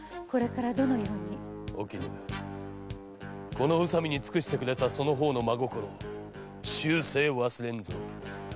この宇佐美に尽くしてくれたその方の真心終生忘れぬぞ。